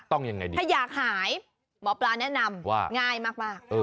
ยังไงดีถ้าอยากหายหมอปลาแนะนำว่าง่ายมาก